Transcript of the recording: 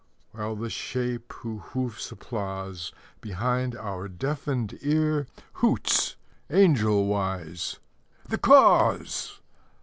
While the Shape who hoofs applause Behind our deafened ear, Hoots angel wise "the Cause"!